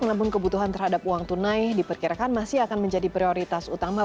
namun kebutuhan terhadap uang tunai diperkirakan masih akan menjadi prioritas utama